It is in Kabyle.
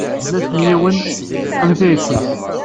Gma-s n yiwen, am tayet-is.